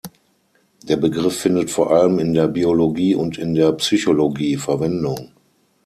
Der Begriff findet vor allem in der Biologie und in der Psychologie Verwendung.